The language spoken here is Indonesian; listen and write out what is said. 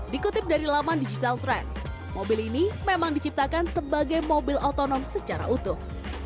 dikutip dari laman digital trans mobil ini memang diciptakan sebagai mobil otonom secara utuh